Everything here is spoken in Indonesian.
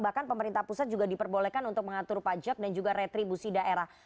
bahkan pemerintah pusat juga diperbolehkan untuk mengatur pajak dan juga retribusi daerah